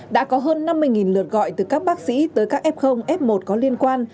đã có hơn năm mươi lượt gọi từ các bác sĩ tới các f f một có liên quan